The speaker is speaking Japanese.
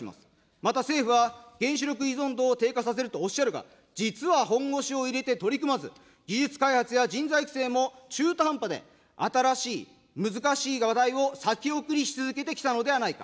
また政府は原子力依存度を低下させるとおっしゃるが、実は本腰を入れて取り組まず、技術開発や人材育成も中途半端で、新しい、難しい話題を先送りし続けてきたのではないか。